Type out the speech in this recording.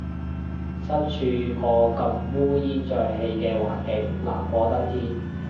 身處個咁烏煙瘴氣嘅環境，難過登天